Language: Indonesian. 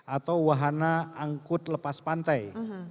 atau wahana angkut lepas pantai